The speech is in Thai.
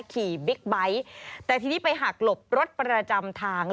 บิ๊กไบท์แต่ทีนี้ไปหักหลบรถประจำทาง